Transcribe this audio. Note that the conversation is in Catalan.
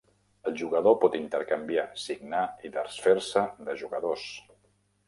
El jugador pot intercanviar, signar i desfer-se de jugadors.